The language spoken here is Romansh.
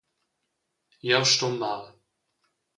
Jeu stun mal.